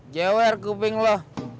jewer kuping lo